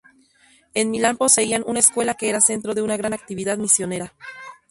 En Milán poseían una escuela que era centro de una gran actividad misionera.